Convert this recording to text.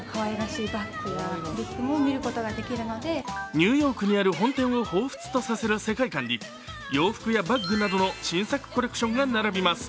ニューヨークにある本店をほうふつとさせる世界観に洋服やバッグなどの新作コレクションが並びます。